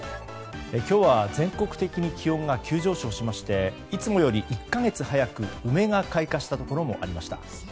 今日は全国的に気温が急上昇しましていつもより１か月早く、梅が開花したところもありました。